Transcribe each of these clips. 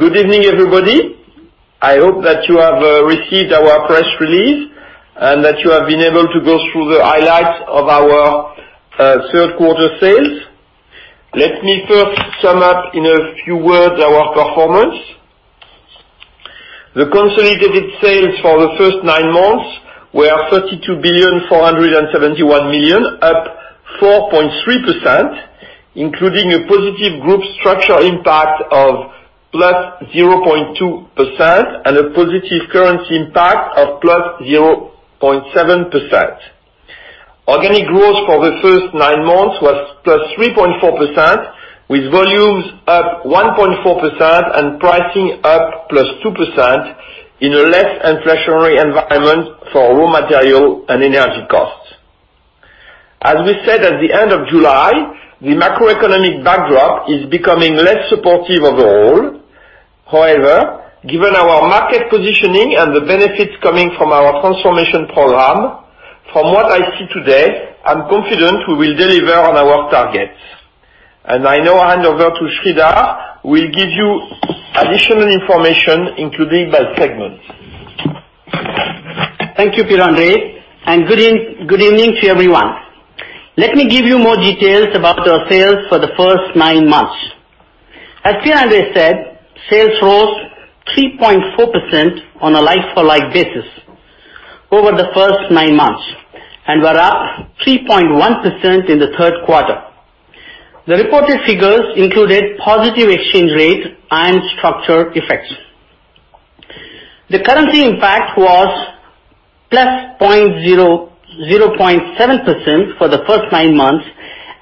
Good evening, everybody. I hope that you have received our press release and that you have been able to go through the highlights of our third quarter sales. Let me first sum up in a few words our performance. The consolidated sales for the first nine months were EUR 32.471 billion, up 4.3%, including a positive group structure impact of +0.2% and a positive currency impact of +0.7%. Organic growth for the first nine months was +3.4%, with volumes up 1.4% and pricing up +2% in a less inflationary environment for raw material and energy costs. As we said at the end of July, the macroeconomic backdrop is becoming less supportive overall. However, given our market positioning and the benefits coming from our transformation program, from what I see today, I'm confident we will deliver on our targets. I now hand over to Sreedhar, who will give you additional information, including by segment. Thank you, Pierre-André, and good evening to everyone. Let me give you more details about our sales for the first nine months. As Pierre-André said, sales rose 3.4% on a like-for-like basis over the first nine months, and were up 3.1% in the third quarter. The reported figures included positive exchange rate and structure effects. The currency impact was plus 0.7% for the first nine months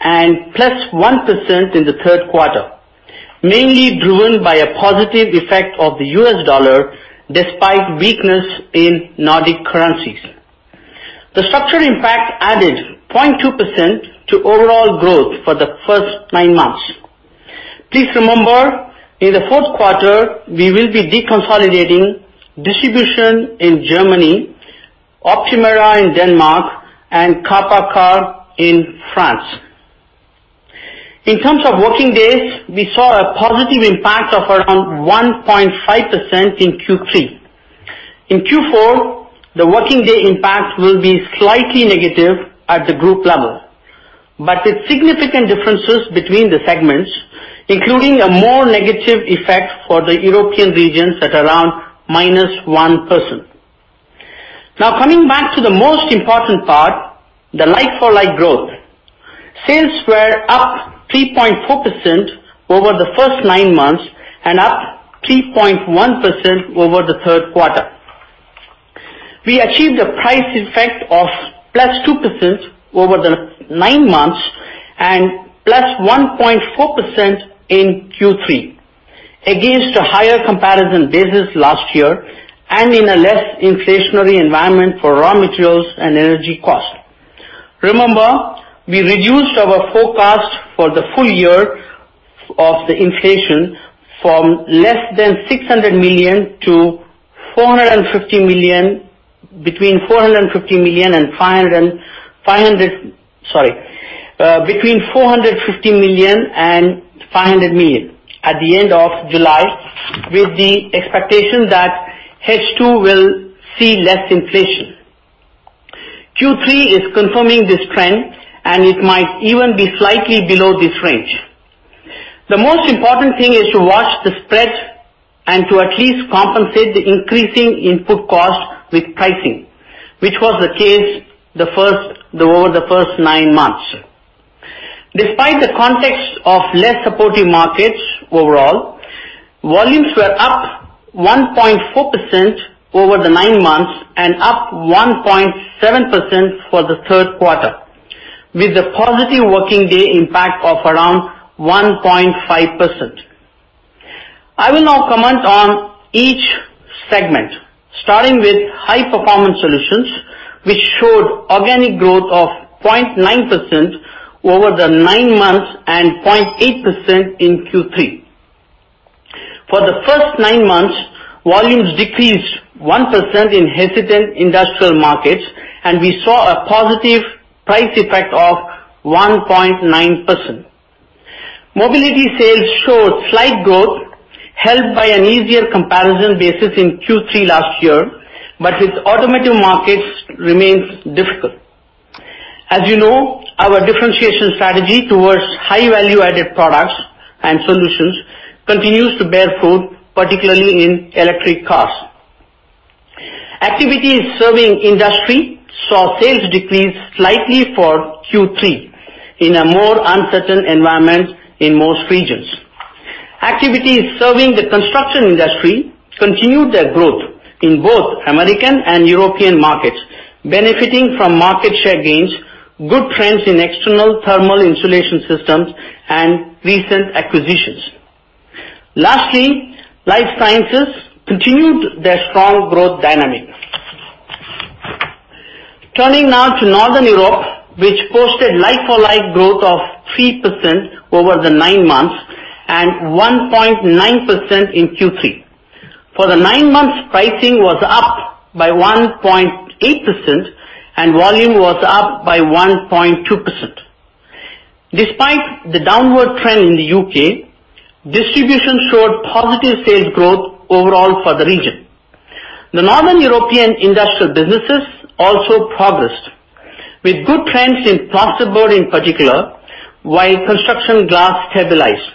and plus 1% in the third quarter, mainly driven by a positive effect of the US dollar despite weakness in Nordic currencies. The structure impact added 0.2% to overall growth for the first nine months. Please remember, in the fourth quarter, we will be deconsolidating distribution in Germany, Optimera in Denmark, and KparK in France. In terms of working days, we saw a positive impact of around 1.5% in Q3. In Q4, the working day impact will be slightly negative at the group level, but with significant differences between the segments, including a more negative effect for the European regions at around minus 1%. Coming back to the most important part, the like-for-like growth. Sales were up 3.4% over the first nine months and up 3.1% over the third quarter. We achieved a price effect of plus 2% over the nine months and plus 1.4% in Q3, against a higher comparison basis last year and in a less inflationary environment for raw materials and energy cost. Remember, we reduced our forecast for the full year of the inflation from less than 600 million to 450 million. Between 450 million and 500 million at the end of July, with the expectation that H2 will see less inflation. Q3 is confirming this trend, and it might even be slightly below this range. The most important thing is to watch the spread and to at least compensate the increasing input cost with pricing, which was the case over the first nine months. Despite the context of less supportive markets overall, volumes were up 1.4% over the nine months and up 1.7% for the third quarter, with a positive working day impact of around 1.5%. I will now comment on each segment, starting with High Performance Solutions, which showed organic growth of 0.9% over the nine months and 0.8% in Q3. For the first nine months, volumes decreased 1% in hesitant industrial markets, and we saw a positive price effect of 1.9%. Mobility sales showed slight growth helped by an easier comparison basis in Q3 last year, but its automotive markets remains difficult. As you know, our differentiation strategy towards high value-added products and solutions continues to bear fruit, particularly in electric cars. Activities serving industry saw sales decrease slightly for Q3 in a more uncertain environment in most regions. Activities serving the construction industry continued their growth in both American and European markets, benefiting from market share gains, good trends in external thermal insulation systems, and recent acquisitions. Lastly, Life Sciences continued their strong growth dynamic. Turning now to Northern Europe, which posted like-for-like growth of 3% over the nine months and 1.9% in Q3. For the nine months, pricing was up by 1.8% and volume was up by 1.2%. Despite the downward trend in the U.K., distribution showed positive sales growth overall for the region. The Northern European industrial businesses also progressed with good trends in plasterboard in particular, while construction glass stabilized.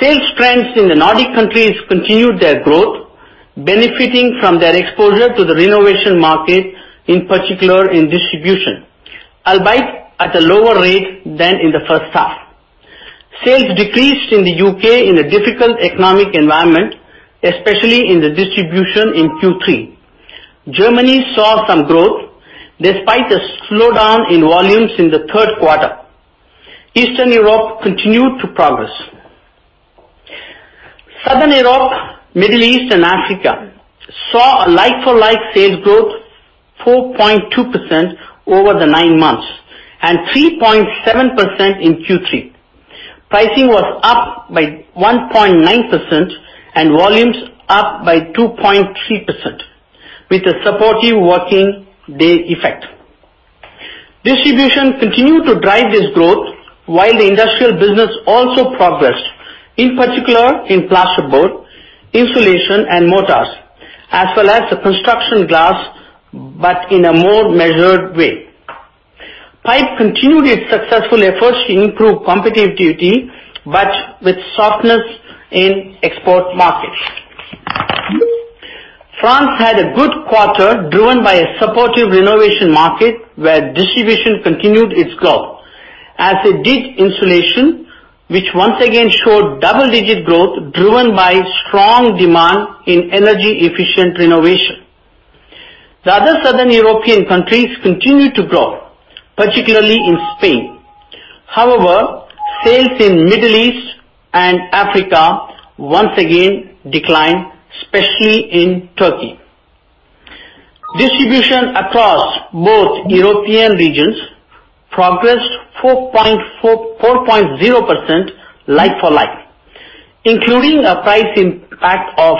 Sales trends in the Nordic countries continued their growth, benefiting from their exposure to the renovation market, in particular in distribution, albeit at a lower rate than in the first half. Sales decreased in the U.K. in a difficult economic environment, especially in the distribution in Q3. Germany saw some growth despite a slowdown in volumes in the third quarter. Eastern Europe continued to progress. Southern Europe, Middle East and Africa saw a like-for-like sales growth 4.2% over the nine months and 3.7% in Q3. Pricing was up by 1.9% and volumes up by 2.3% with a supportive working day effect. Distribution continued to drive this growth while the industrial business also progressed, in particular in plasterboard, insulation, and mortars, as well as the construction glass, but in a more measured way. Pipe continued its successful efforts to improve competitivity, but with softness in export markets. France had a good quarter, driven by a supportive renovation market where distribution continued its growth, as it did insulation, which once again showed double-digit growth driven by strong demand in energy-efficient renovation. The other southern European countries continued to grow, particularly in Spain. However, sales in Middle East and Africa once again declined, especially in Turkey. Distribution across both European regions progressed 4.0% like-for-like, including a price impact of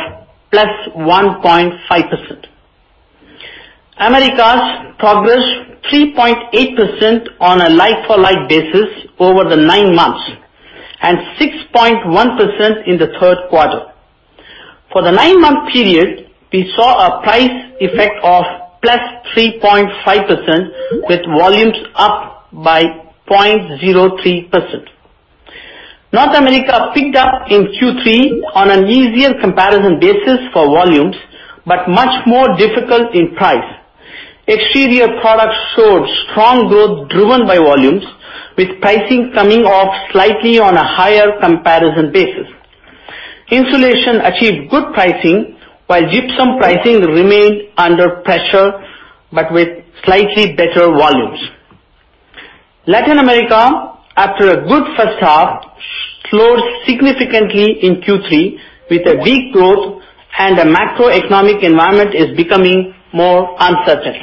plus 1.5%. Americas progressed 3.8% on a like-for-like basis over the nine months and 6.1% in the third quarter. For the nine-month period, we saw a price effect of plus 3.5% with volumes up by 0.03%. North America picked up in Q3 on an easier comparison basis for volumes, but much more difficult in price. Exterior Products showed strong growth driven by volumes, with pricing coming off slightly on a higher comparison basis. Insulation achieved good pricing while gypsum pricing remained under pressure but with slightly better volumes. Latin America, after a good first half, slowed significantly in Q3 with a weak growth and a macroeconomic environment is becoming more uncertain.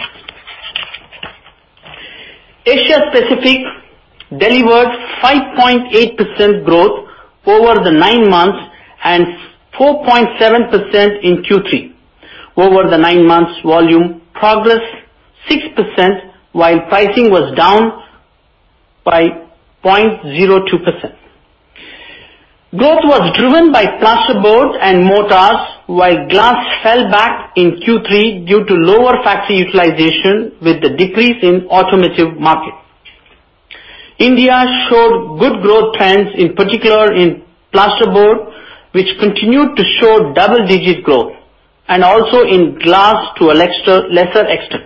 Asia Pacific delivered 5.8% growth over the nine months and 4.7% in Q3. Over the nine months, volume progressed 6% while pricing was down by 0.02%. Growth was driven by plasterboard and mortars, while glass fell back in Q3 due to lower factory utilization with the decrease in automotive market. India showed good growth trends, in particular in plasterboard, which continued to show double-digit growth, and also in glass to a lesser extent.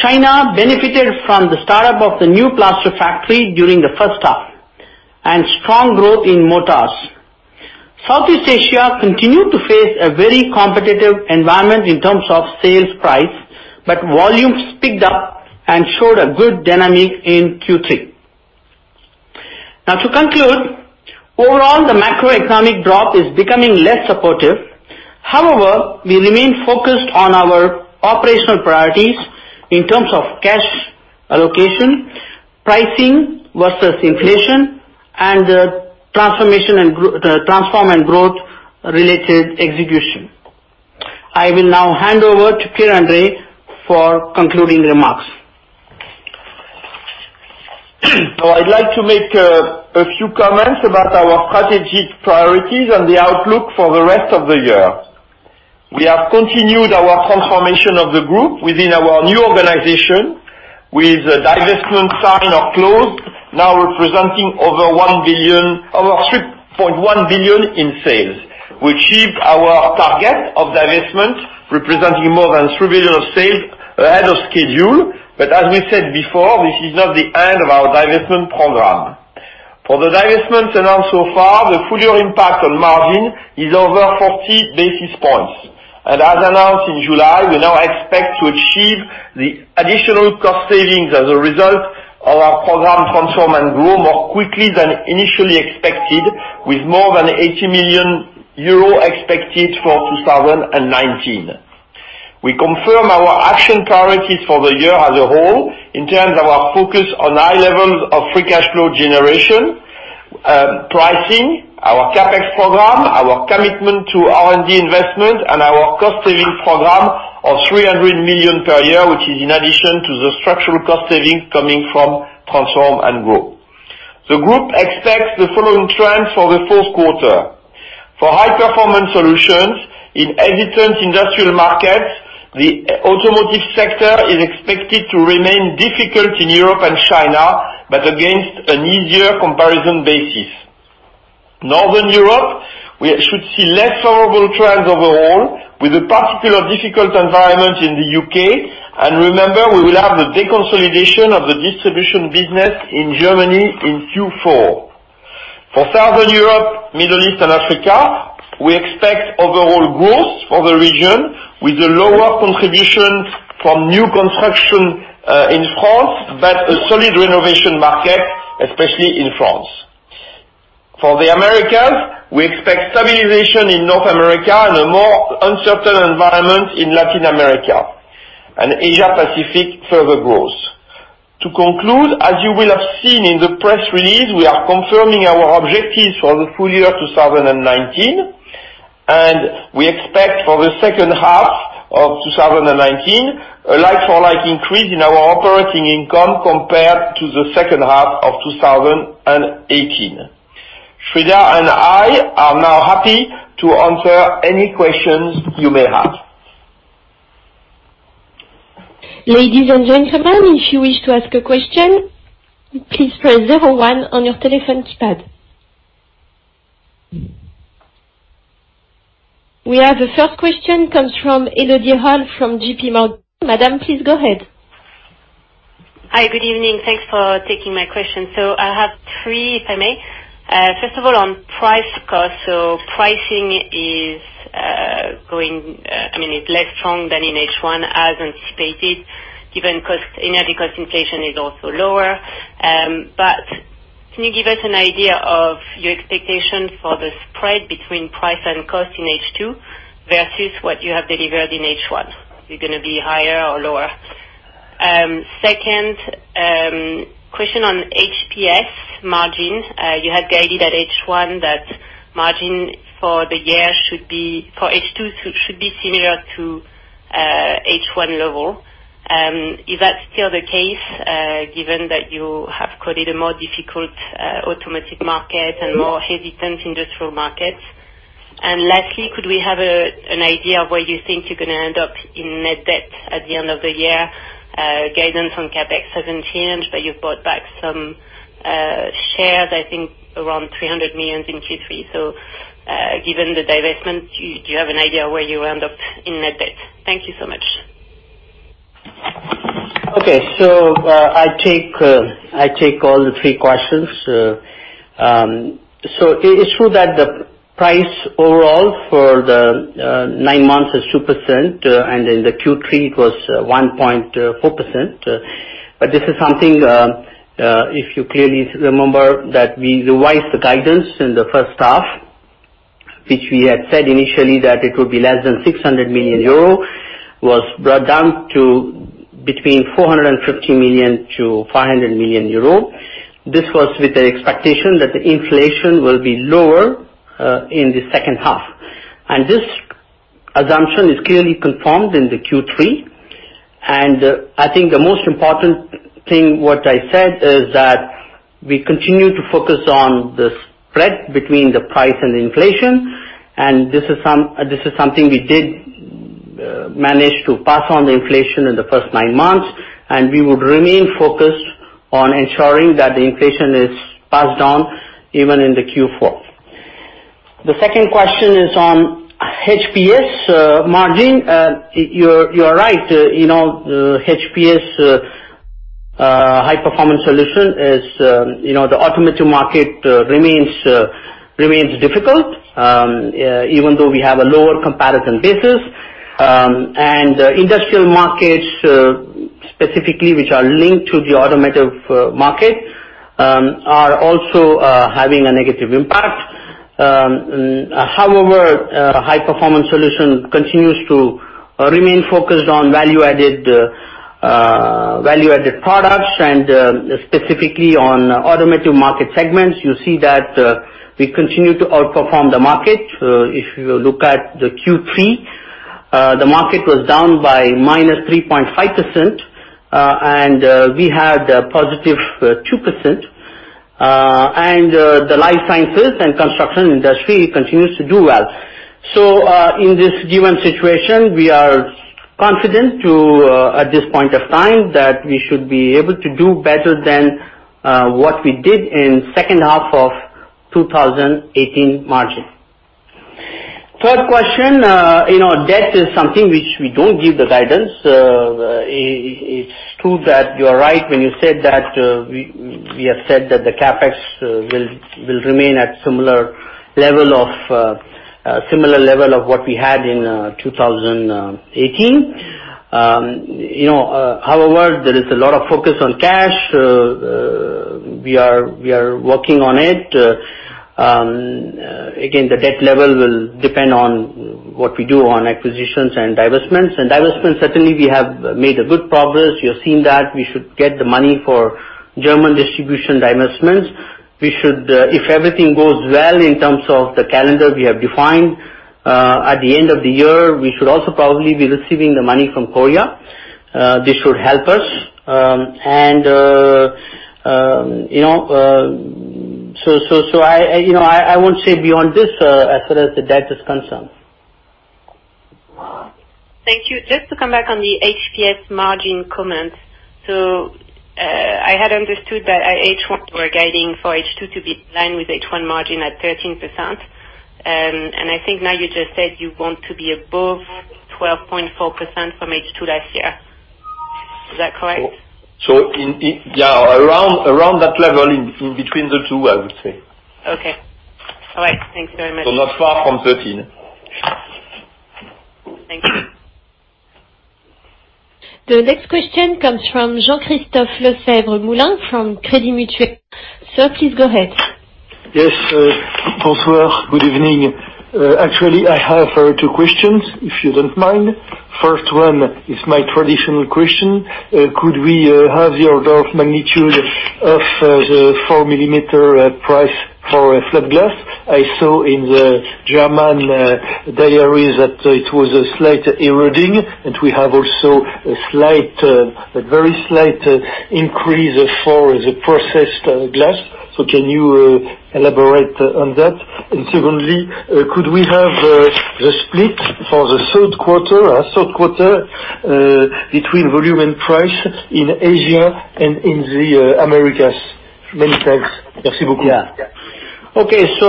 China benefited from the startup of the new plaster factory during the first half and strong growth in mortars. Southeast Asia continued to face a very competitive environment in terms of sales price, but volumes picked up and showed a good dynamic in Q3. Now to conclude, overall, the macroeconomic growth is becoming less supportive. However, we remain focused on our operational priorities in terms of cash allocation, pricing versus inflation, and the Transform & Grow related execution. I will now hand over to Pierre-André for concluding remarks. I'd like to make a few comments about our strategic priorities and the outlook for the rest of the year. We have continued our transformation of the group within our new organization with the divestment signed or closed now representing over 3.1 billion in sales. We achieved our target of divestment, representing more than 3 billion of sales ahead of schedule. As we said before, this is not the end of our divestment program. For the divestment announced so far, the full year impact on margin is over 40 basis points. As announced in July, we now expect to achieve the additional cost savings as a result of our program Transform & Grow more quickly than initially expected with more than 80 million euros expected for 2019. We confirm our action priorities for the year as a whole in terms of our focus on high levels of free cash flow generation pricing, our CapEx program, our commitment to R&D investment, and our cost savings program of 300 million per year, which is in addition to the structural cost savings coming from Transform & Grow. The group expects the following trends for the fourth quarter. For High Performance Solutions in hesitant industrial markets, the automotive sector is expected to remain difficult in Europe and China, but against an easier comparison basis. Northern Europe, we should see less favorable trends overall with a particularly difficult environment in the U.K., and remember, we will have the deconsolidation of the distribution business in Germany in Q4. For Southern Europe, Middle East, and Africa, we expect overall growth for the region with a lower contribution from new construction in France, but a solid renovation market, especially in France. For the Americas, we expect stabilization in North America and a more uncertain environment in Latin America. Asia Pacific, further growth. To conclude, as you will have seen in the press release, we are confirming our objectives for the full year 2019, and we expect for the second half of 2019, a like-for-like increase in our operating income compared to the second half of 2018. Sreedhar and I are now happy to answer any questions you may have. Ladies and gentlemen, if you wish to ask a question, please press zero one on your telephone keypad. We have the first question, comes from Elodie Rall from JPMorgan. Madame, please go ahead. Hi. Good evening. Thanks for taking my question. I have three, if I may. First of all, on price, because so pricing is less strong than in H1 as anticipated, given energy cost inflation is also lower. Can you give us an idea of your expectation for the spread between price and cost in H2 versus what you have delivered in H1? You're going to be higher or lower? Second, question on HPS margin. You had guided at H1 that margin for H2 should be similar to H1 level. Is that still the case, given that you have quoted a more difficult automotive market and more hesitant industrial markets? Lastly, could we have an idea of where you think you're going to end up in net debt at the end of the year? Guidance on CapEx hasn't changed, you've bought back some shares, I think around 300 million in Q3. Given the divestment, do you have an idea where you end up in net debt? Thank you so much. I take all the three questions. It is true that the price overall for the nine months is 2%, and in the Q3 it was 1.4%. This is something, if you clearly remember, that we revised the guidance in the first half, which we had said initially that it would be less than 600 million euro, was brought down to between 450 million-500 million euro. This was with the expectation that the inflation will be lower in the second half. This assumption is clearly confirmed in the Q3. I think the most important thing what I said is that we continue to focus on the spread between the price and the inflation. This is something we did manage to pass on the inflation in the first 9 months, and we would remain focused on ensuring that the inflation is passed on even in the Q4. The second question is on HPS margin. You're right. HPS, High Performance Solutions, the automotive market remains difficult even though we have a lower comparison basis. Industrial markets, specifically which are linked to the automotive market, are also having a negative impact. However, High Performance Solutions continues to remain focused on value-added products and specifically on automotive market segments. You see that we continue to outperform the market. If you look at the Q3, the market was down by -3.5%, and we had a positive 2%. The Life Sciences and construction industry continues to do well. In this given situation, we are confident at this point of time that we should be able to do better than what we did in second half of 2018 margin. Third question. Debt is something which we don't give the guidance. It's true that you're right when you said that we have said that the CapEx will remain at a similar level of what we had in 2018. There is a lot of focus on cash. We are working on it. The debt level will depend on what we do on acquisitions and divestments. Divestments, certainly, we have made good progress. You have seen that we should get the money for German distribution divestments. If everything goes well in terms of the calendar we have defined, at the end of the year, we should also probably be receiving the money from Korea. This should help us. I won't say beyond this as far as the debt is concerned. Thank you. Just to come back on the HPS margin comments. I had understood that at H1 we're guiding for H2 to be in line with H1 margin at 13%. I think now you just said you want to be above 12.4% from H2 last year. Is that correct? Around that level in between the two, I would say. Okay. All right. Thanks very much. Not far from 13. Thank you. The next question comes from Jean-Christophe Lefèvre-Moulenq from Crédit Mutuel. Sir, please go ahead. Yes. Good evening. Actually, I have two questions, if you don't mind. First one is my traditional question. Could we have the order of magnitude of the 4 mm price for flat glass? I saw in the German diaries that it was slightly eroding, and we have also a very slight increase for the processed glass. Can you elaborate on that? Secondly, could we have the split for the third quarter between volume and price in Asia and in the Americas? Many thanks. Yeah. Okay. I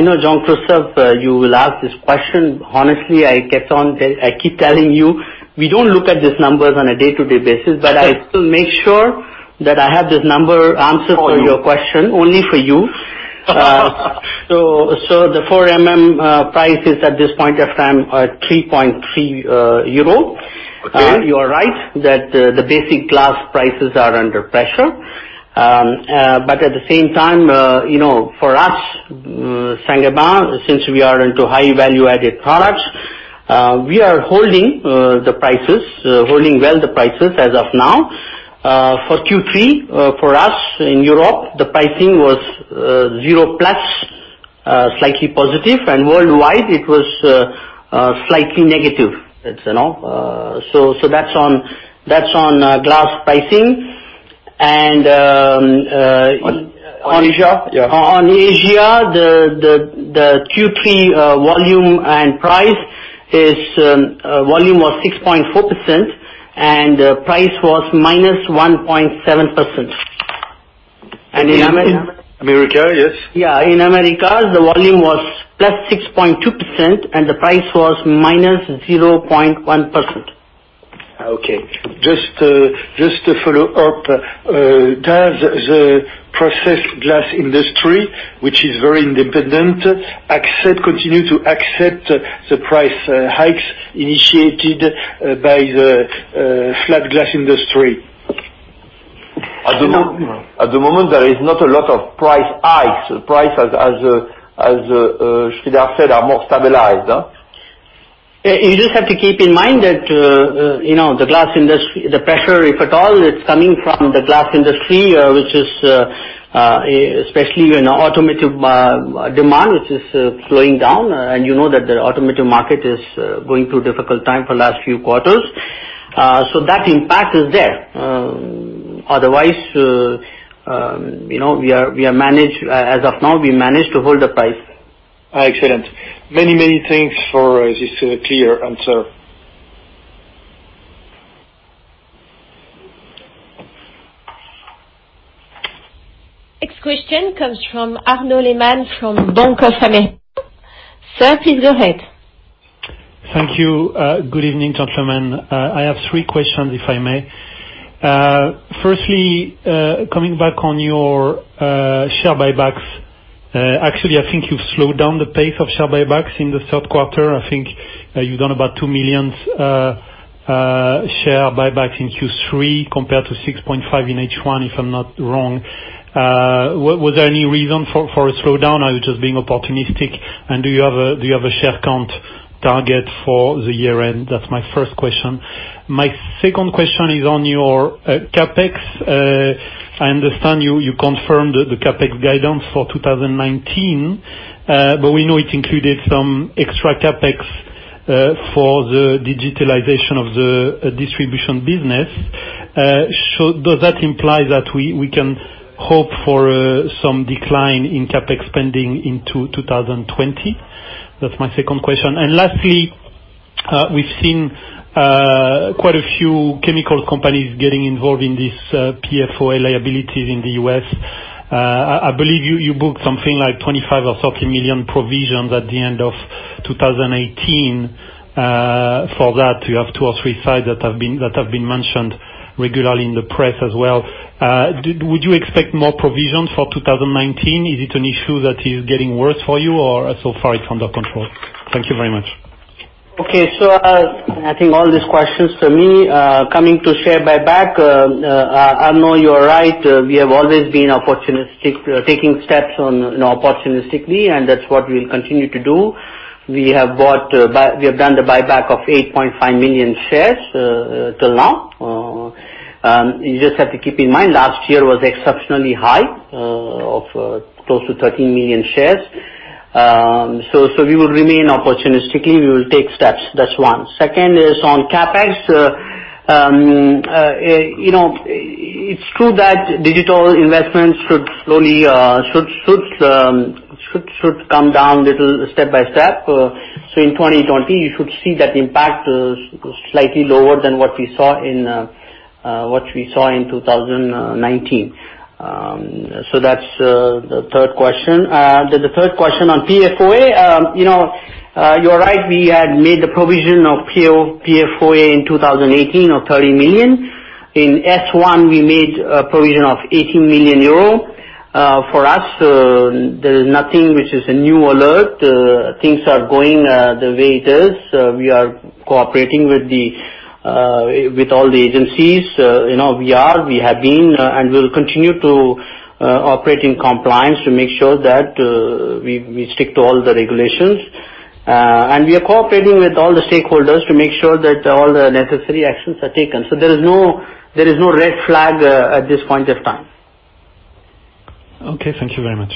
know, Jean-Christophe, you will ask this question. Honestly, I keep telling you, we don't look at these numbers on a day-to-day basis, but I still make sure that I have this number answer for your question, only for you. The 4 mm price is at this point of time 3.3 euro. Okay. You are right that the basic glass prices are under pressure. At the same time, for us, Saint-Gobain, since we are into high value-added products, we are holding the prices, holding well the prices as of now. For Q3, for us in Europe, the pricing was zero plus, slightly positive, and worldwide it was slightly negative. That's on glass pricing. On Asia? Yeah. On Asia, the Q3 volume and price is volume was 6.4%, and the price was -1.7%. America, yes. Yeah. In Americas, the volume was +6.2%, and the price was -0.1%. Just to follow up, does the process glass industry, which is very independent, continue to accept the price hikes initiated by the flat glass industry? At the moment, there is not a lot of price hikes. The prices, as Sreedhar said, are more stabilized. You just have to keep in mind that the glass industry, the pressure, if at all, it's coming from the glass industry, especially automotive demand, which is slowing down. You know that the automotive market is going through a difficult time for the last few quarters. That impact is there. Otherwise, as of now, we managed to hold the price. Excellent. Many things for this clear answer. Next question comes from Arnaud Lehmann from Banque Degroof. Sir, please go ahead. Thank you. Good evening, gentlemen. I have three questions, if I may. Firstly, coming back on your share buybacks. Actually, I think you've slowed down the pace of share buybacks in the third quarter. I think you've done about two million share buybacks in Q3 compared to 6.5 in H1, if I'm not wrong. Was there any reason for a slowdown? Are you just being opportunistic? Do you have a share count target for the year-end? That's my first question. My second question is on your CapEx. I understand you confirmed the CapEx guidance for 2019, but we know it included some extra CapEx for the digitalization of the distribution business. Does that imply that we can hope for some decline in CapEx spending into 2020? That's my second question. Lastly, we've seen quite a few chemical companies getting involved in these PFOA liabilities in the U.S. I believe you booked something like 25 million or 30 million provisions at the end of 2018. For that, you have two or three sites that have been mentioned regularly in the press as well. Would you expect more provisions for 2019? Is it an issue that is getting worse for you or so far it's under control? Thank you very much. Okay. I think all these questions for me. Coming to share buyback, Arnaud, you are right. We have always been opportunistic, taking steps opportunistically, and that's what we'll continue to do. We have done the buyback of 8.5 million shares till now. You just have to keep in mind, last year was exceptionally high of close to 13 million shares. We will remain opportunistically. We will take steps. That's one. Second is on CapEx. It's true that digital investments should come down little, step by step. In 2020, you should see that impact slightly lower than what we saw in 2019. That's the third question. The third question on PFOA. You're right, we had made the provision of PFOA in 2018 of 30 million. In S1, we made a provision of 18 million euro. For us, there is nothing which is a new alert. Things are going the way it is. We are cooperating with all the agencies. We have been and we'll continue to operate in compliance to make sure that we stick to all the regulations. We are cooperating with all the stakeholders to make sure that all the necessary actions are taken. There is no red flag at this point of time. Okay. Thank you very much.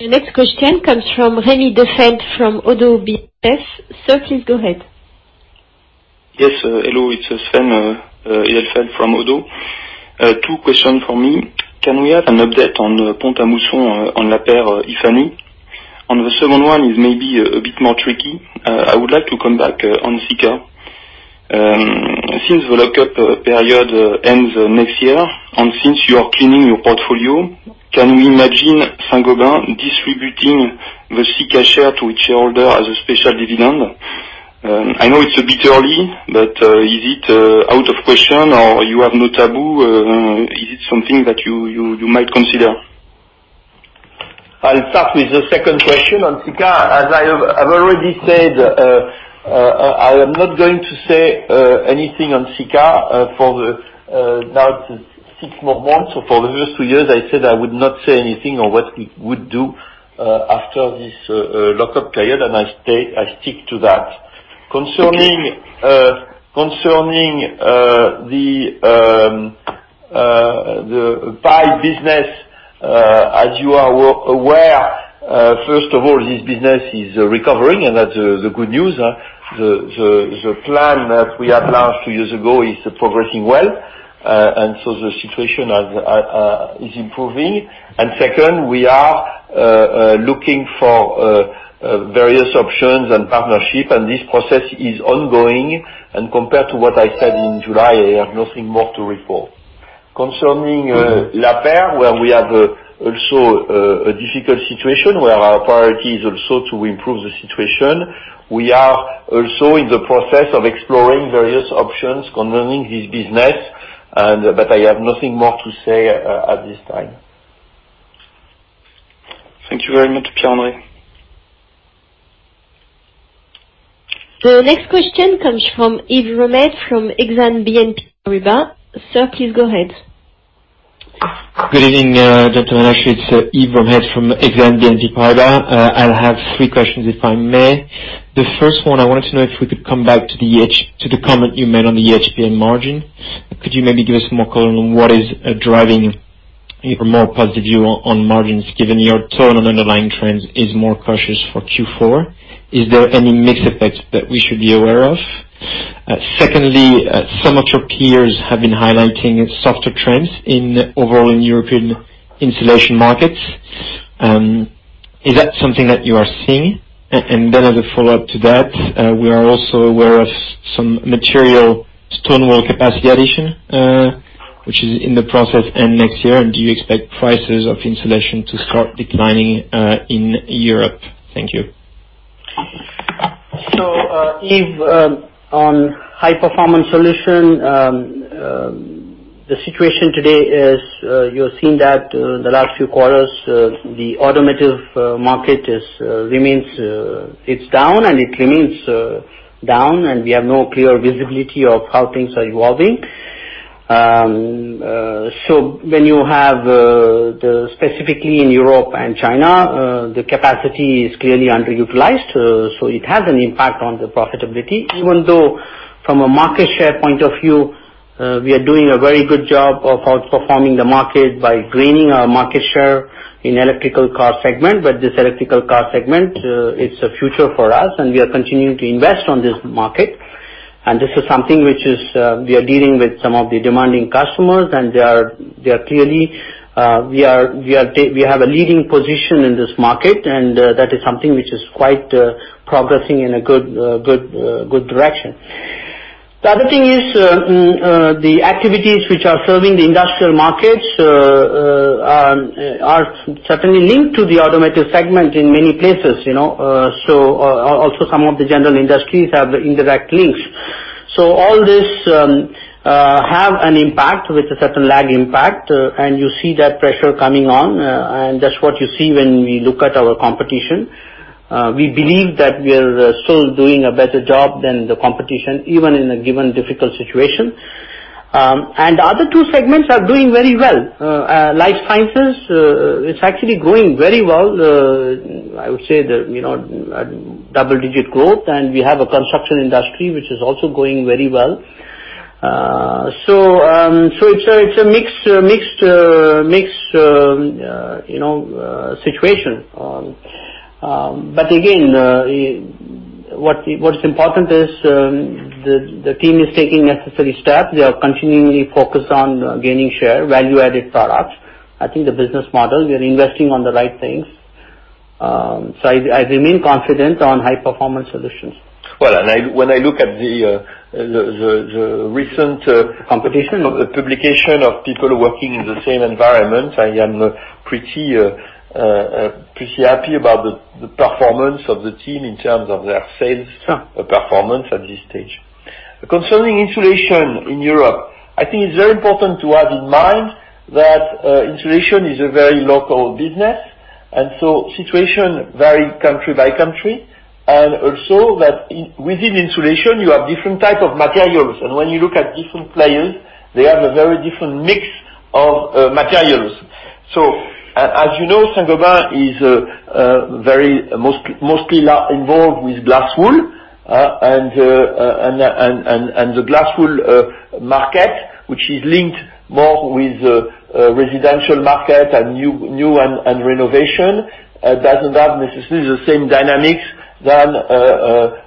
The next question comes from Rémi Lamarti from ODDO BHF. Sir, please go ahead. Yes. Hello. It's Sven Rudolf from ODDO. Two question from me. Can we have an update on Pont-à-Mousson on Lapeyre, if any? The second one is maybe a bit more tricky. I would like to come back on Sika. Since the lockup period ends next year, and since you are cleaning your portfolio, can we imagine Saint-Gobain distributing the Sika share to its shareholder as a special dividend? I know it's a bit early, but is it out of question or you have no taboo? Is it something that you might consider? I'll start with the second question on Sika. As I've already said, I am not going to say anything on Sika for the-- Now it is six more months. For the first two years, I said I would not say anything on what we would do after this lockup period, and I stick to that. Concerning the pipe business, as you are aware, first of all, this business is recovering, and that's the good news. The plan that we had launched two years ago is progressing well, the situation is improving. Second, we are looking for various options and partnership, and this process is ongoing. Compared to what I said in July, I have nothing more to report. Concerning Lapeyre, where we have also a difficult situation, where our priority is also to improve the situation. We are also in the process of exploring various options concerning this business but I have nothing more to say at this time. Thank you very much, Pierre-André. The next question comes from Yves Romet from Exane BNP Paribas. Sir, please go ahead. Good evening, gentlemen. Actually, it's Yves Romet from Exane BNP Paribas. I'll have three questions, if I may. The first one, I wanted to know if we could come back to the comment you made on the HPS margin. Could you maybe give us more color on what is driving a more positive view on margins, given your tone on underlying trends is more cautious for Q4? Is there any mix effect that we should be aware of? Secondly, some of your peers have been highlighting softer trends in overall European insulation markets. Is that something that you are seeing? Then as a follow-up to that, we are also aware of some material stone wool capacity addition, which is in the process, and next year, and do you expect prices of insulation to start declining in Europe? Thank you. Yves, on High Performance Solutions, the situation today is, you have seen that the last few quarters, the automotive market it's down, and it remains down, and we have no clear visibility of how things are evolving. When you have, specifically in Europe and China, the capacity is clearly underutilized, so it has an impact on the profitability. Even though from a market share point of view, we are doing a very good job of outperforming the market by gaining our market share in electrical car segment. This electrical car segment, it's a future for us, and we are continuing to invest on this market. This is something which is, we are dealing with some of the demanding customers, and they are clearly. We have a leading position in this market, and that is something which is quite progressing in a good direction. The other thing is, the activities which are serving the industrial markets are certainly linked to the automotive segment in many places. Also some of the general industries have indirect links. All this have an impact with a certain lag impact, and you see that pressure coming on, and that's what you see when we look at our competition. We believe that we are still doing a better job than the competition, even in a given difficult situation. The other two segments are doing very well. Life Sciences, it's actually growing very well. I would say double-digit growth, and we have a construction industry which is also growing very well. It's a mixed situation. Again, what is important is the team is taking necessary steps. They are continually focused on gaining share, value-added products. I think the business model, we are investing on the right things. I remain confident on High Performance Solutions. Well. Competition publication of people working in the same environment, I am pretty happy about the performance of the team in terms of their sales performance at this stage. Concerning insulation in Europe, I think it's very important to have in mind that insulation is a very local business, situation vary country by country, and also that within insulation, you have different type of materials. As you know, Saint-Gobain is mostly involved with glass wool, and the glass wool market, which is linked more with residential market and new and renovation, doesn't have necessarily the same dynamics than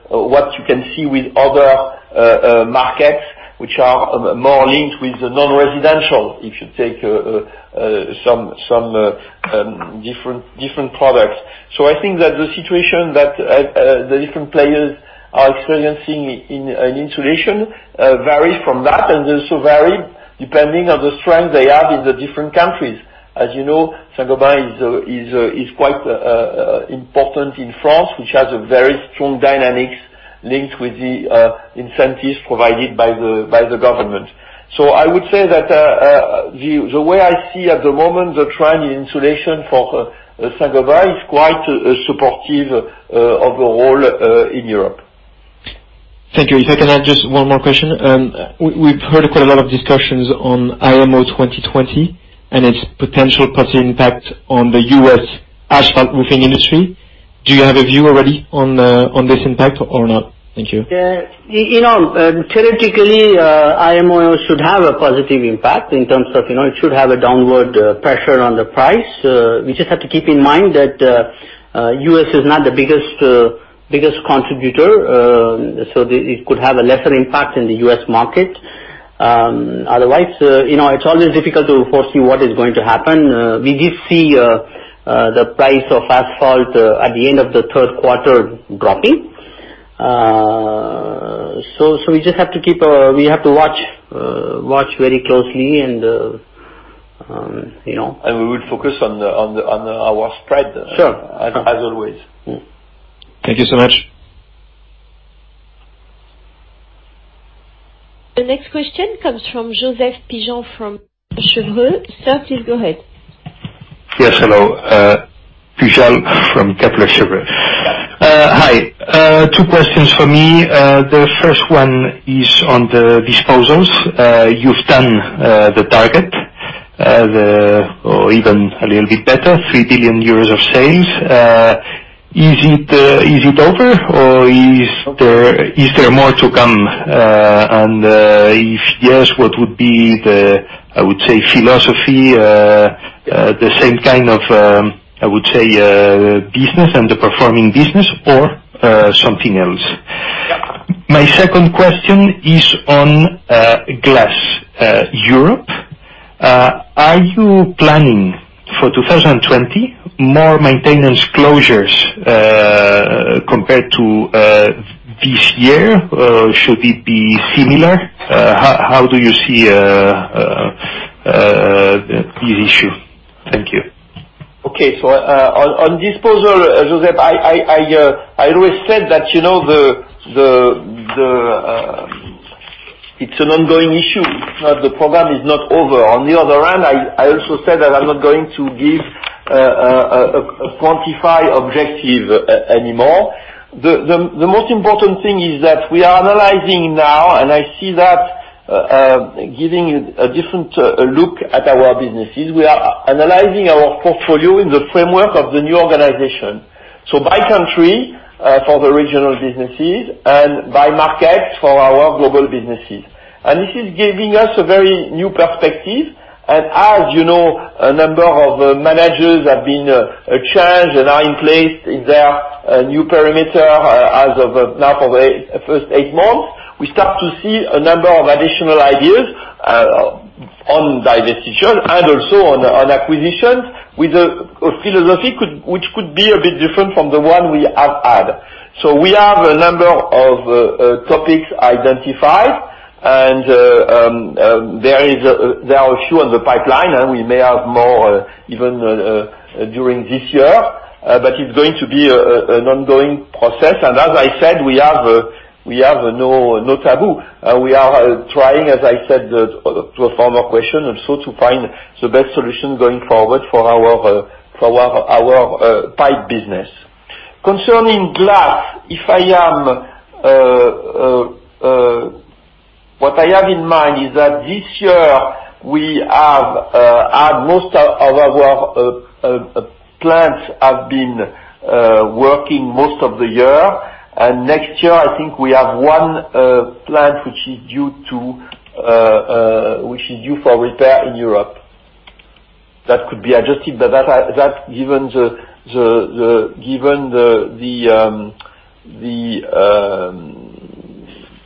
what you can see with other markets, which are more linked with the non-residential, if you take some different products. I think that the situation that the different players are experiencing in insulation varies from that, and also vary depending on the strength they have in the different countries. As you know, Saint-Gobain is quite important in France, which has a very strong dynamics linked with the incentives provided by the government. I would say that the way I see at the moment the trend in insulation for Saint-Gobain is quite supportive overall in Europe. Thank you. If I can add just one more question. We've heard quite a lot of discussions on IMO 2020 and its potential positive impact on the U.S. asphalt roofing industry. Do you have a view already on this impact or not? Thank you. Theoretically, IMO should have a positive impact in terms of it should have a downward pressure on the price. We just have to keep in mind that U.S. is not the biggest contributor. It could have a lesser impact in the U.S. market. Otherwise, it's always difficult to foresee what is going to happen. We did see the price of asphalt at the end of the third quarter dropping. We have to watch very closely. We will focus on our spread- Sure as always. Thank you so much. The next question comes from Josep Pujal from Cheuvreux. Sir, please go ahead. Yes, hello. Josep Pujal from Kepler Cheuvreux. Hi. Two questions for me. The first one is on the disposals. You've done the target, or even a little bit better, 3 billion euros of sales. Is it over or is there more to come? If yes, what would be the philosophy, the same kind of business, underperforming business or something else? My second question is on glass. Europe, are you planning for 2020 more maintenance closures compared to this year? Should it be similar? How do you see this issue? Thank you. Okay. On disposal, Josep, I always said that it's an ongoing issue. The program is not over. On the other hand, I also said that I'm not going to give a quantified objective anymore. The most important thing is that we are analyzing now, and I see that giving a different look at our businesses. We are analyzing our portfolio in the framework of the new organization. By country, for the regional businesses, and by market for our global businesses. This is giving us a very new perspective. As you know, a number of managers have been changed and are in place in their new perimeter as of now for the first eight months. We start to see a number of additional ideas on divestiture and also on acquisitions with a philosophy which could be a bit different from the one we have had. We have a number of topics identified. There are a few in the pipeline, and we may have more even during this year. It's going to be an ongoing process. As I said, we have no taboo. We are trying, as I said to a former question also, to find the best solution going forward for our pipe business. Concerning glass, what I have in mind is that this year, most of our plants have been working most of the year. Next year, I think we have one plant which is due for repair in Europe. That could be adjusted. That given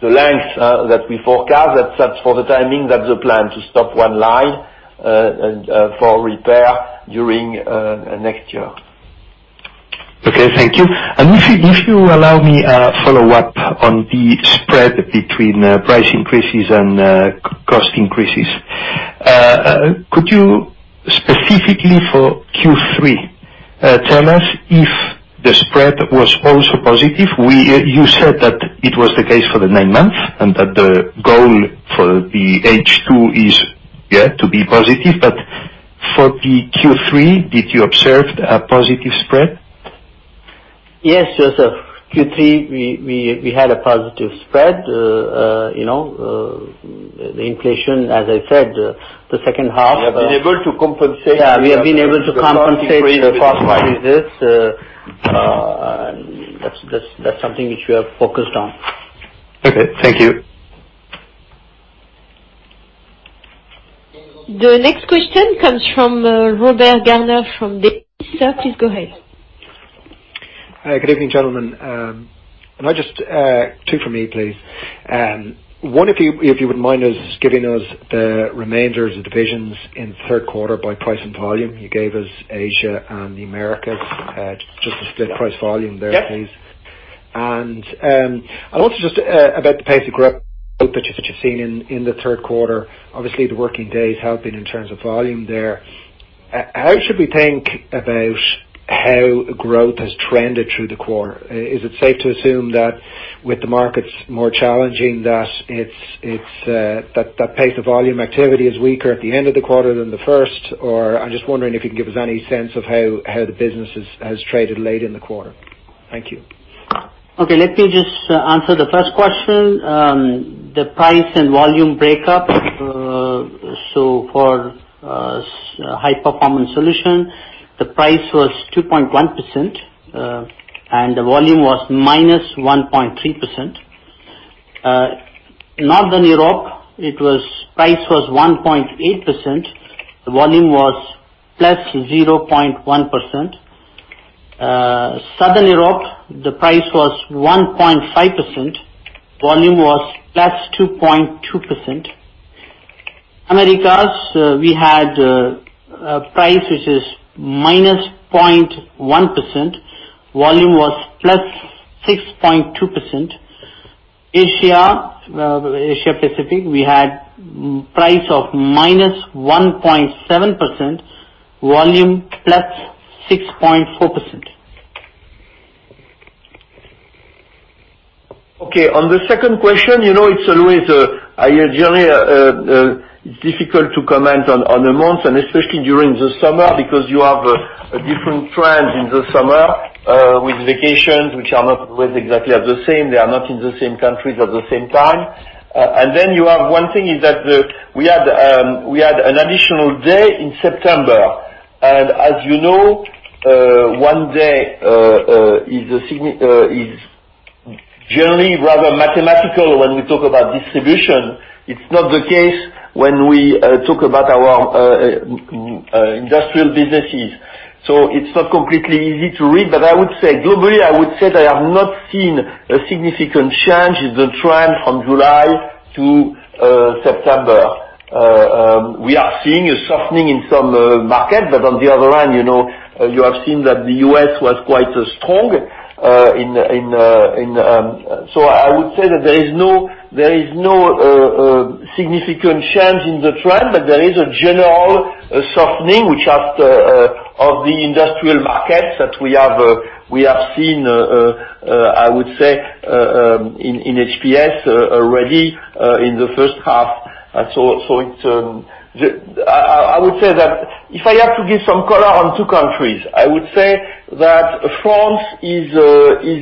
the length that we forecast, that's for the timing, that's the plan, to stop one line for repair during next year. Okay, thank you. If you allow me a follow-up on the spread between price increases and cost increases. Could you specifically for Q3, tell us if the spread was also positive? You said that it was the case for the nine months, that the goal for the H2 is to be positive. For the Q3, did you observe a positive spread? Yes, Josep. Q3, we had a positive spread. The inflation, as I said. We have been able to compensate. We have been able to compensate the first part of this. That's something which we have focused on. Okay. Thank you. The next question comes from Robert Garner from Bank of America. Please go ahead. Good evening, gentlemen. Can I just, two from me, please. One, if you wouldn't mind us giving us the remainders of divisions in third quarter by price and volume. You gave us Asia and the Americas, just the split price volume there, please. Yeah. I want to just, about the pace of growth that you've seen in the third quarter. Obviously, the working days helping in terms of volume there. How should we think about how growth has trended through the quarter? Is it safe to assume that with the markets more challenging, that the pace of volume activity is weaker at the end of the quarter than the first? I'm just wondering if you can give us any sense of how the business has traded late in the quarter. Thank you. Okay, let me just answer the first question. The price and volume breakup. For High Performance Solutions, the price was 2.1%, and the volume was minus 1.3%. Northern Europe, price was 1.8%, the volume was plus 0.1%. Southern Europe, the price was 1.5%, volume was plus 2.2%. Americas, we had price which is minus 0.1%, volume was plus 6.2%. Asia Pacific, we had price of minus 1.7%, volume plus 6.4%. Okay, on the second question, it's generally difficult to comment on a month and especially during the summer because you have a different trend in the summer with vacations, which are not always exactly as the same. They are not in the same countries at the same time. You have one thing is that we had an additional day in September. As you know, one day is generally rather mathematical when we talk about distribution. It's not the case when we talk about our industrial businesses. It's not completely easy to read. I would say, globally, I would say that I have not seen a significant change in the trend from July to September. We are seeing a softening in some markets. On the other hand, you have seen that the U.S. was quite strong. I would say that there is no significant change in the trend, there is a general softening of the industrial markets that we have seen, I would say, in HPS already in the first half. I would say that if I have to give some color on two countries, I would say that France is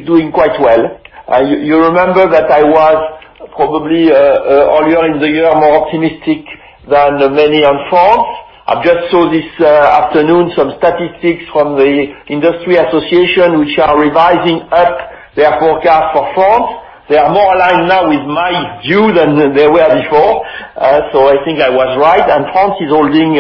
doing quite well. You remember that I was probably earlier in the year more optimistic than many on France. I've just saw this afternoon some statistics from the industry association which are revising up their forecast for France. They are more aligned now with my view than they were before. I think I was right, and France is holding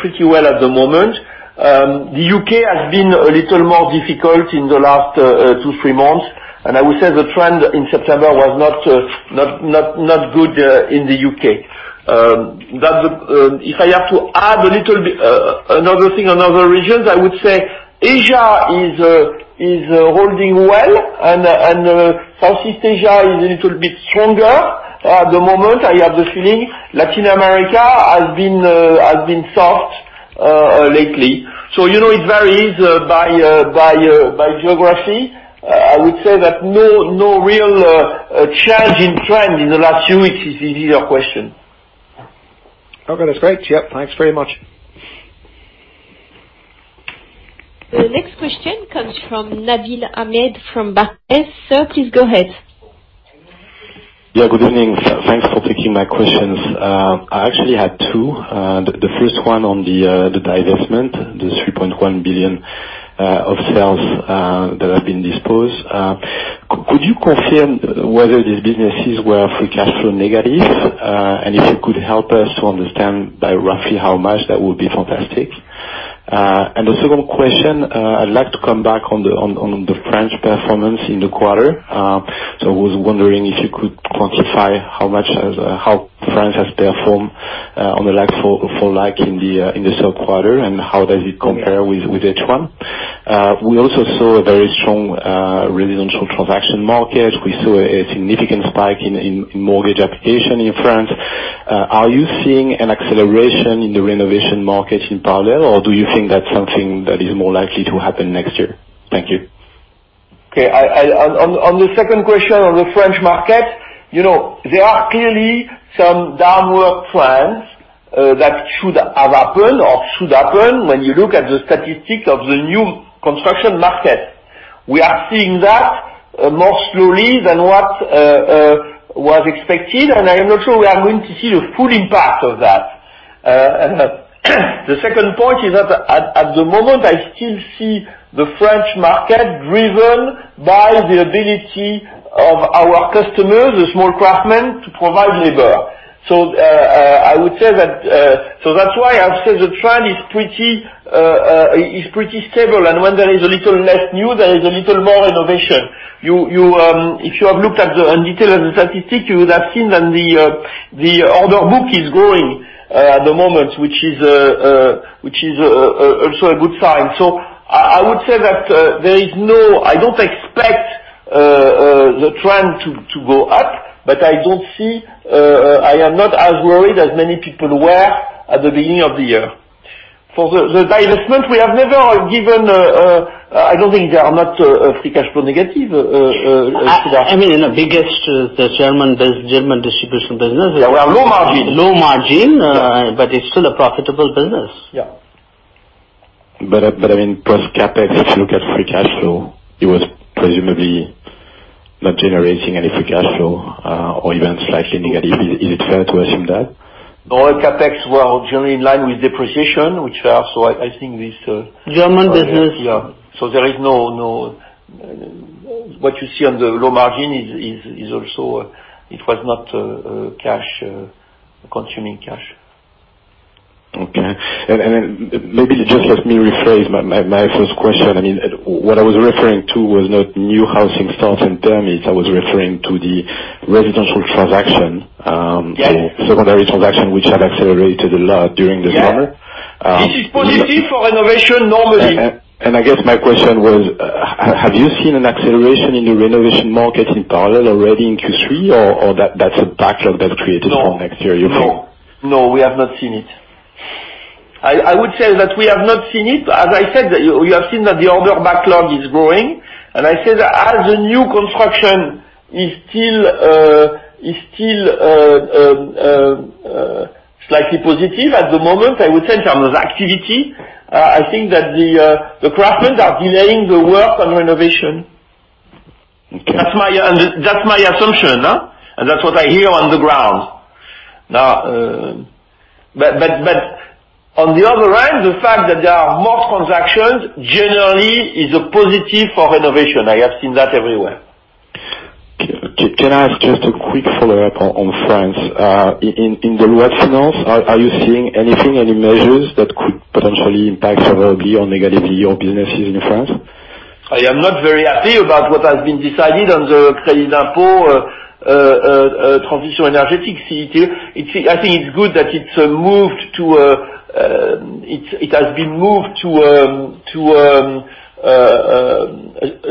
pretty well at the moment. The U.K. has been a little more difficult in the last two, three months. I would say the trend in September was not good in the U.K. If I have to add a little bit, another thing on other regions, I would say Asia is holding well and Southeast Asia is a little bit stronger. At the moment, I have the feeling Latin America has been soft lately. It varies by geography. I would say that no real change in trend in the last two weeks is your question. Okay. That's great. Yeah. Thanks very much. The next question comes from Nabil Ahmed from Barclays. Sir, please go ahead. Yeah, good evening. Thanks for taking my questions. I actually had two. The first one on the divestment, the 3.1 billion of sales that have been disposed. Could you confirm whether these businesses were free cash flow negative? If you could help us to understand roughly how much, that would be fantastic. The second question, I'd like to come back on the French performance in the quarter. I was wondering if you could quantify how France has performed on the like for like in the sub-quarter, and how does it compare with H1. We also saw a very strong residential transaction market. We saw a significant spike in mortgage application in France. Are you seeing an acceleration in the renovation market in parallel, or do you think that's something that is more likely to happen next year? Thank you. On the second question on the French market, there are clearly some downward trends that should have happened or should happen when you look at the statistics of the new construction market. We are seeing that more slowly than what was expected, and I am not sure we are going to see the full impact of that. The second point is that at the moment, I still see the French market driven by the ability of our customers, the small craftsmen, to provide labor. That's why I said the trend is pretty stable, and when there is a little less new, there is a little more renovation. If you have looked at the detail and the statistic, you would have seen that the order book is growing at the moment, which is also a good sign. I would say that I don't expect the trend to go up, but I am not as worried as many people were at the beginning of the year. For the divestment, we have never given I don't think they are not free cash flow negative. I mean, the German distribution business. They were low margin. Low margin, but it's still a profitable business. Yeah. Post CapEx, if you look at free cash flow, it was presumably not generating any free cash flow or even slightly negative. Is it fair to assume that? No. CapEx were generally in line with depreciation. German business. Yeah. What you see on the low margin, it was not consuming cash. Okay. Then maybe just let me rephrase my first question. What I was referring to was not new housing starts and permits. I was referring to the residential transaction. Yes. Secondary transaction, which had accelerated a lot during the summer. Yes. This is positive for renovation, normally. I guess my question was, have you seen an acceleration in the renovation market in parallel already in Q3, or that's a backlog that created for next year, you think? No. No, we have not seen it. I would say that we have not seen it. As I said, we have seen that the order backlog is growing, and I said as the new construction is still slightly positive at the moment, I would say in terms of activity, I think that the craftsmen are delaying the work on renovation. That's my assumption. That's what I hear on the ground. On the other hand, the fact that there are more transactions, generally, is a positive for renovation. I have seen that everywhere. Can I ask just a quick follow-up on France? In the loi de finances, are you seeing anything, any measures that could potentially impact negatively your businesses in France? I am not very happy about what has been decided on the crédit d'impôt transition énergétique, CITE. I think it's good that it has been moved to a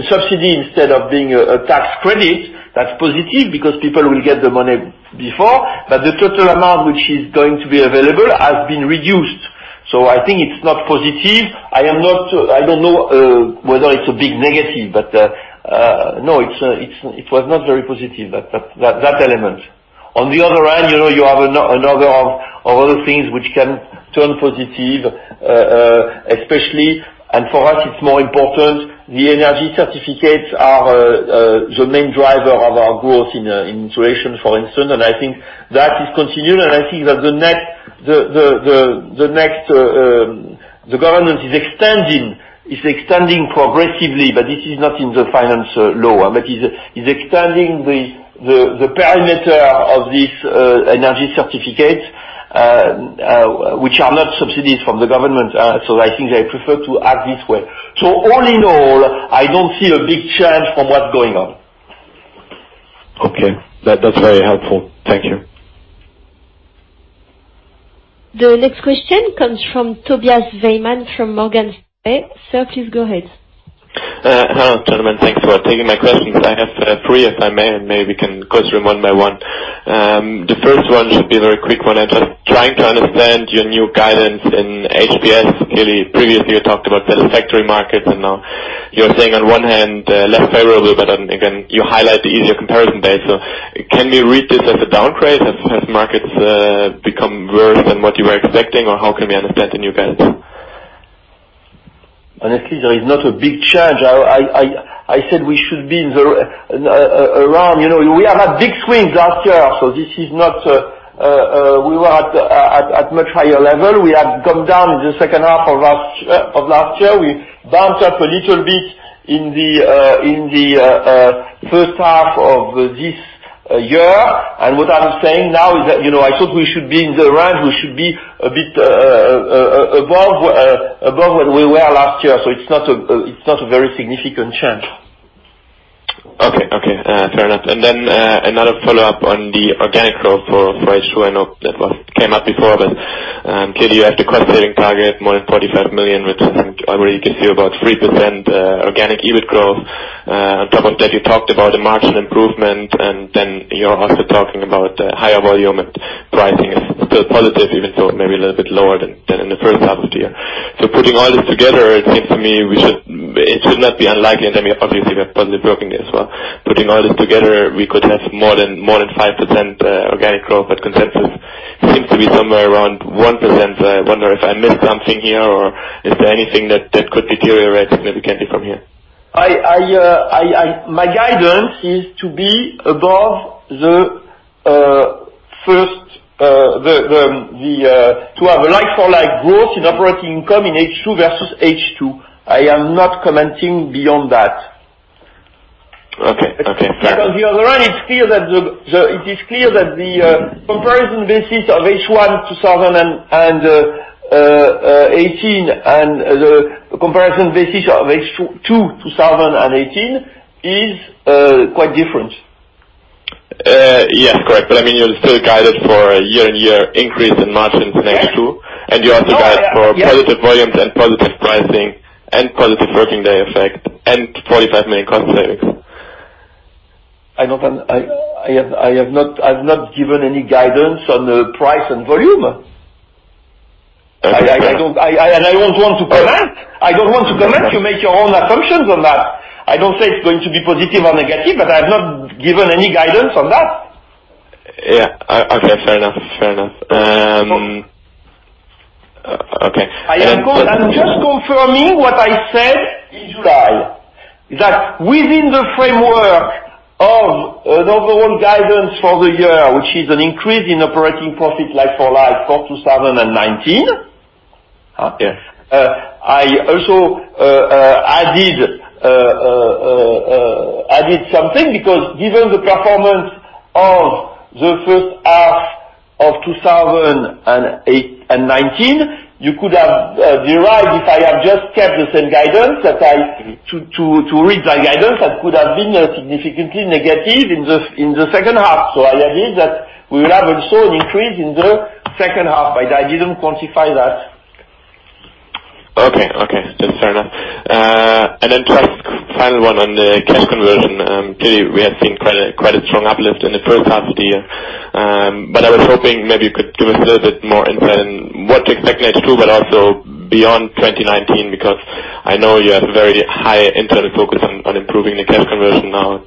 subsidy instead of being a tax credit. That's positive because people will get the money before, but the total amount which is going to be available has been reduced. I think it's not positive. I don't know whether it's a big negative. No, it was not very positive, that element. You have a number of other things which can turn positive, especially, and for us, it's more important, the energy certificates are the main driver of our growth in insulation, for instance, and I think that is continuing, and I think that the government is extending progressively, but this is not in the finance law, but is extending the parameter of this energy certificate, which are not subsidies from the government. I think they prefer to act this way. All in all, I don't see a big change from what's going on. Okay. That's very helpful. Thank you. The next question comes from Tobias Wehmann from Morgan Stanley. Sir, please go ahead. Hello, gentlemen. Thanks for taking my questions. I have three, if I may, and maybe we can go through them one by one. The first one should be a very quick one. I'm just trying to understand your new guidance in HPS. Clearly, previously, you talked about satisfactory markets, and now you're saying on one hand, less favorable, but then again, you highlight the easier comparison base. Can we read this as a downgrade? Have markets become worse than what you were expecting, or how can we understand the new guidance? Honestly, there is not a big change. I said we should be in the around. We have had big swings last year. We were at much higher level. We had come down in the second half of last year. We bounced up a little bit in the first half of this year. What I'm saying now is that, I thought we should be in the range. We should be a bit above where we were last year. It's not a very significant change. Okay. Fair enough. Another follow-up on the organic growth for H2. I know that came up before, but clearly you have the cost-saving target more than 45 million, which isn't already gives you about 3% organic EBIT growth. On top of that, you talked about a marginal improvement. You're also talking about higher volume and pricing is still positive, even if though it may be a little bit lower than in the first half of the year. Putting all this together, it seems to me it should not be unlikely. We obviously have positive working day as well. Putting all this together, we could have more than 5% organic growth. Consensus seems to be somewhere around 1%. I wonder if I missed something here or is there anything that could deteriorate significantly from here? My guidance is to have a like-for-like growth in operating income in H2 versus H2. I am not commenting beyond that. Okay. Fair enough. On the other hand, it is clear that the comparison basis of H1 2018 and the comparison basis of H2 2018 is quite different. Yes, correct. You still guided for a year-on-year increase in margins in H2, and you also guide for positive volumes and positive pricing and positive working day effect and EUR 45 million cost savings. I've not given any guidance on the price and volume. Okay. I don't want to comment. I don't want to comment. You make your own assumptions on that. I don't say it's going to be positive or negative, but I have not given any guidance on that. Yeah. Okay. Fair enough. I'm just confirming what I said in July, that within the framework of an overall guidance for the year, which is an increase in operating profit like for like for 2019. Okay. I also added something because given the performance of the first half of 2019, you could have derived, if I have just kept the same guidance, to read my guidance, that could have been significantly negative in the second half. I added that we will have also an increase in the second half, but I didn't quantify that. Okay. That's fair enough. Just final one on the cash conversion. Clearly, we have seen quite a strong uplift in the first half of the year. I was hoping maybe you could give us a little bit more insight on what to expect in H2, but also beyond 2019, because I know you have a very high internal focus on improving the cash conversion now.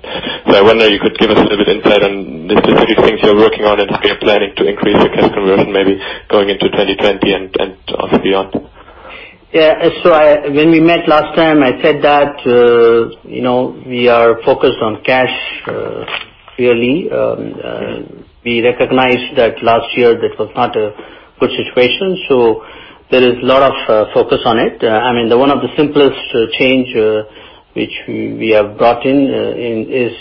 I wonder if you could give us a little bit insight on the specific things you're working on and if you're planning to increase your cash conversion, maybe going into 2020 and also beyond. Yeah. When we met last time, I said that we are focused on cash clearly. We recognized that last year that was not a good situation, so there is a lot of focus on it. One of the simplest change which we have brought in is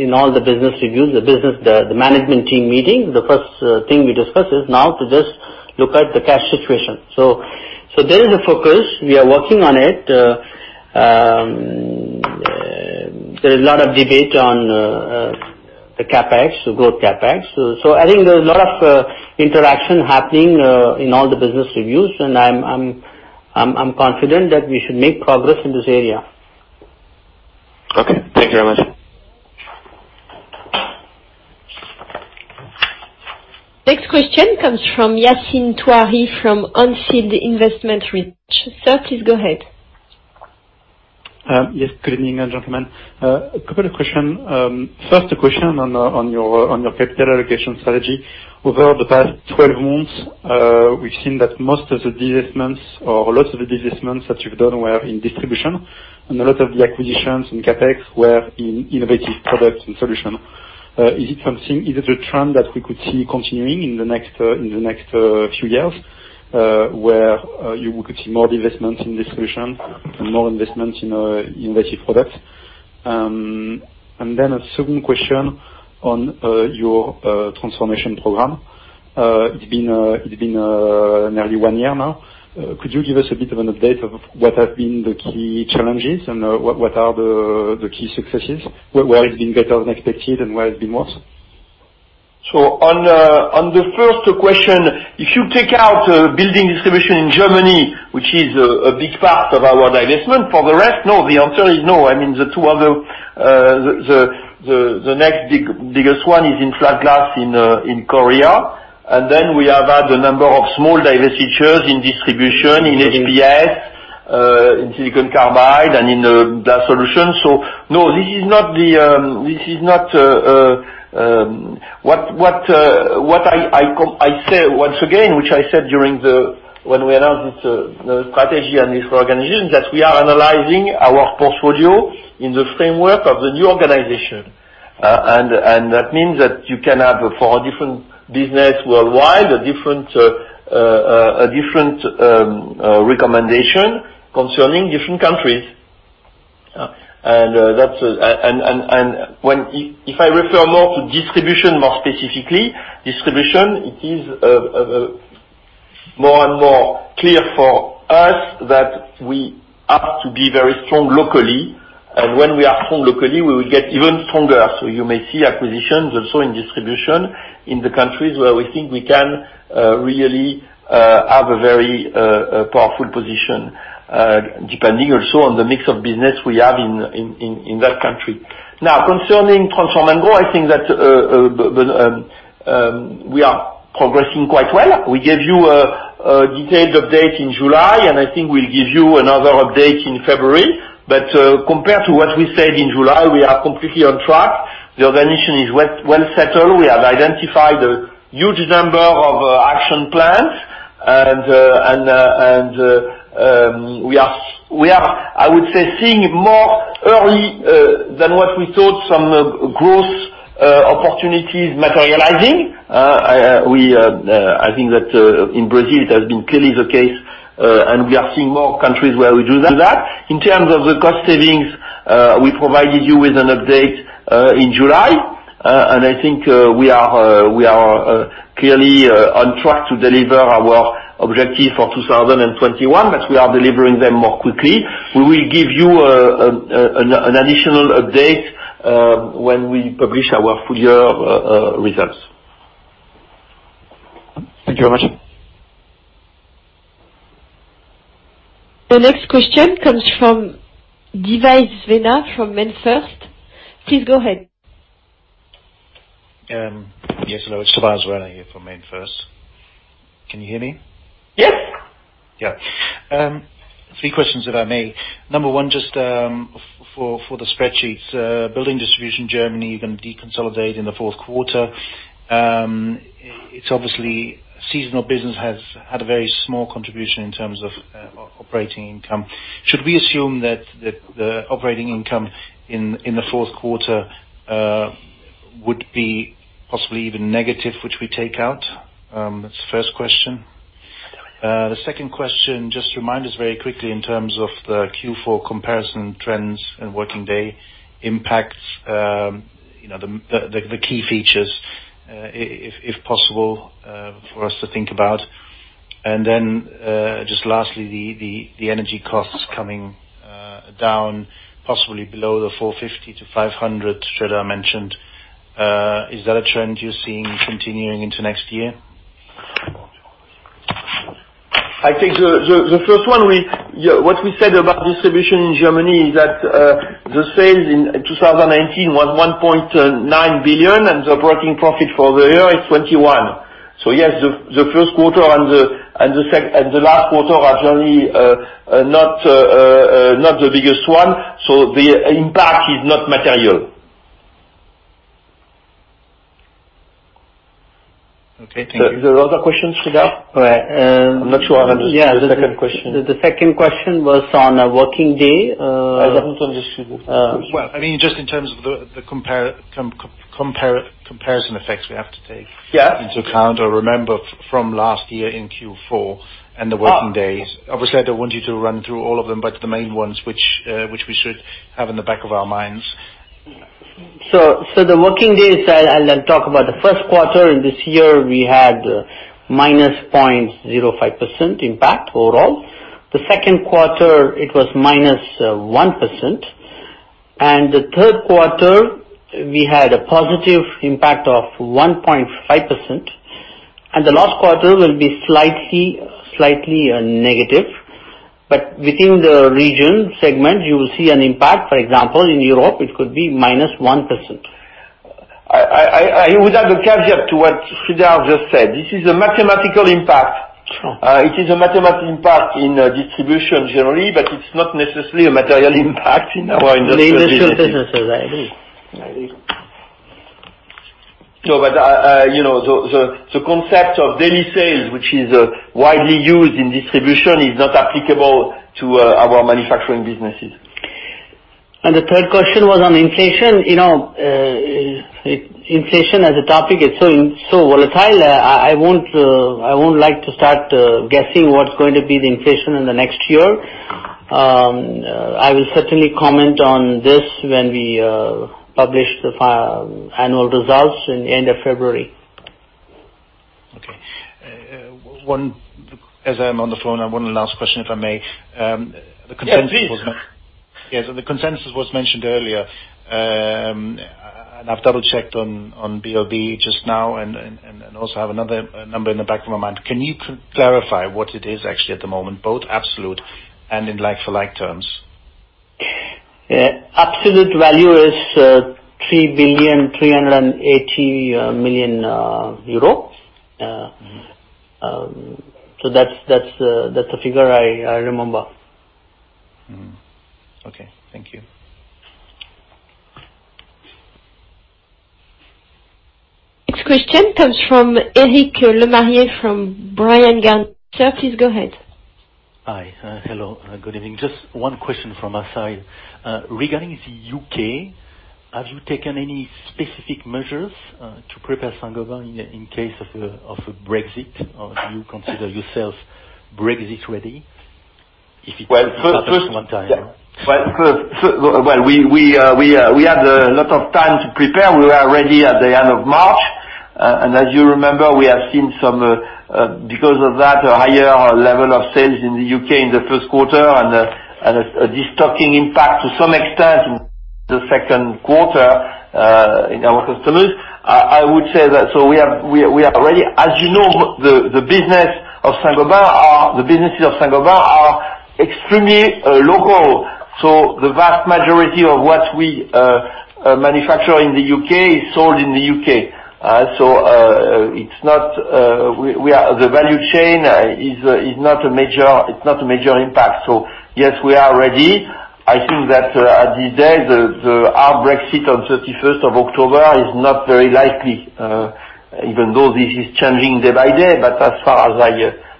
in all the business reviews, the management team meeting, the first thing we discuss is now to just look at the cash situation. There is a focus. We are working on it. There is a lot of debate on the growth CapEx. I think there's a lot of interaction happening in all the business reviews, and I'm confident that we should make progress in this area. Okay. Thank you very much. Next question comes from Yassine Touahri from On Field Investment Research. Sir, please go ahead. Yes. Good evening, gentlemen. A couple of question. First question on your capital allocation strategy. Over the past 12 months, we've seen that most of the divestments or a lot of the divestments that you've done were in distribution, and a lot of the acquisitions and CapEx were in innovative products and solution. Is it a trend that we could see continuing in the next few years, where we could see more divestments in distribution and more investments in innovative products? A second question on your transformation program. It's been nearly one year now. Could you give us a bit of an update of what have been the key challenges, and what are the key successes? Where it's been better than expected and where it's been worse? On the first question, if you take out building distribution in Germany, which is a big part of our divestment, for the rest, no. The answer is no. The next biggest one is in flat glass in Korea. Then we have had a number of small divestitures in distribution, in HPS, in silicon carbide, and in Glassolutions. No, this is not Once again, which I said when I announced this strategy and this organization, that we are analyzing our portfolio in the framework of the new organization. That means that you can have, for a different business worldwide, a different recommendation concerning different countries. Yeah. If I refer more to distribution, more specifically, distribution, it is more and more clear for us that we have to be very strong locally. When we are strong locally, we will get even stronger. You may see acquisitions also in distribution, in the countries where we think we can really have a very powerful position, depending also on the mix of business we have in that country. Concerning Transform & Grow, I think that we are progressing quite well. We gave you a detailed update in July, and I think we'll give you another update in February. Compared to what we said in July, we are completely on track. The organization is well settled. We have identified a huge number of action plans, and we are, I would say, seeing more early than what we thought, some growth opportunities materializing. I think that in Brazil, it has been clearly the case, and we are seeing more countries where we do that. In terms of the cost savings, we provided you with an update, in July. I think we are clearly on track to deliver our objective for 2021, but we are delivering them more quickly. We will give you an additional update when we publish our full year results. Thank you very much. The next question comes from Denis Rena from MainFirst. Please go ahead. Yes, hello. It's Denis Rena here from MainFirst. Can you hear me? Yes. Three questions, if I may. Number one, just for the spreadsheets, building distribution Germany, you're going to deconsolidate in the fourth quarter. It's obviously, seasonal business has had a very small contribution in terms of operating income. Should we assume that the operating income in the fourth quarter would be possibly even negative, which we take out? That's the first question. The second question, just remind us very quickly in terms of the Q4 comparison trends and working day impacts, the key features, if possible, for us to think about. Just lastly, the energy costs coming down possibly below the 450-500 Sreedhar mentioned. Is that a trend you're seeing continuing into next year? I think the first one, what we said about distribution in Germany is that, the sales in 2019 was 1.9 billion, the operating profit for the year is 21 million. Yes, the first quarter and the last quarter are generally not the biggest one, the impact is not material. Okay. Thank you. There are other questions, Sreedhar? Right. I'm not sure I understood the second question. The second question was on a working day. I don't understand the second question. Just in terms of the comparison effects we have to take. Yeah into account, or remember from last year in Q4 and the working days. Obviously, I don't want you to run through all of them, but the main ones which we should have in the back of our minds. The working days, I'll talk about the first quarter. In this year, we had minus 0.05% impact overall. The second quarter, it was minus 1%. The third quarter, we had a positive impact of 1.5%. The last quarter will be slightly negative. Within the region segment, you will see an impact. For example, in Europe, it could be minus 1%. I would add a caveat to what Sreedhar just said. This is a mathematical impact. Sure. It is a mathematical impact in distribution generally, but it's not necessarily a material impact in our industrial businesses. In the industrial businesses, I agree. The concept of daily sales, which is widely used in distribution, is not applicable to our manufacturing businesses. The third question was on inflation. Inflation, as a topic, is so volatile. I won't like to start guessing what's going to be the inflation in the next year. I will certainly comment on this when we publish the annual results in the end of February. Okay. As I am on the phone, I want one last question, if I may. Yeah, please. Yeah. The consensus was mentioned earlier, and I've double-checked on Bloomberg just now and also have another number in the back of my mind. Can you clarify what it is actually at the moment, both absolute and in like-for-like terms? Absolute value is EUR 3.38 billion. That's a figure I remember. Mm-hmm. Okay. Thank you. Next question comes from Eric Lemaire from Bryan Garnier. Sir, please go ahead. Hi. Hello, good evening. Just one question from our side. Regarding the U.K., have you taken any specific measures to prepare Saint-Gobain in case of a Brexit, or do you consider yourselves Brexit ready? If it happens sometime. Well, we had a lot of time to prepare. We were ready at the end of March. As you remember, we have seen some, because of that, a higher level of sales in the U.K. in the first quarter and a de-stocking impact to some extent in the second quarter in our customers. I would say that we are ready. As you know, the businesses of Saint-Gobain are extremely local. The vast majority of what we manufacture in the U.K. is sold in the U.K. The value chain, it's not a major impact. Yes, we are ready. I think that at this day, the hard Brexit on 31st of October is not very likely, even though this is changing day by day. As far as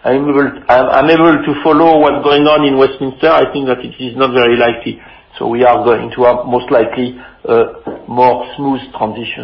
I'm able to follow what's going on in Westminster, I think that it is not very likely. We are going to have most likely a more smooth transition.